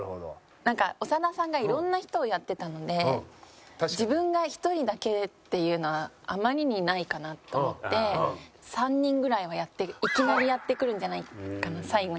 なんか長田さんがいろんな人をやってたので自分が１人だけっていうのはあまりにないかなと思って３人ぐらいはやっていきなりやってくるんじゃないかな最後に。